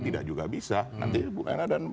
tidak juga bisa nanti bu ena dan